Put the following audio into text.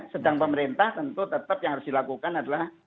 sedang pemerintah tentu tetap yang harus dilakukan adalah